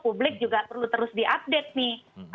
publik juga perlu terus diupdate nih